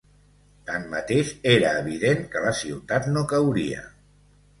Tanmateix, era evident que la ciutat no cauria.